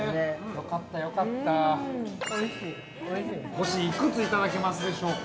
◆星幾ついただけますでしょうか。